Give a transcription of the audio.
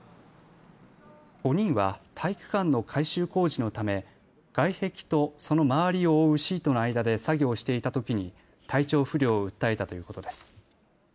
５人は体育館の改修工事のため外壁とその周りを覆うシートの間で作業をしていたときに体調不良を訴えたということです。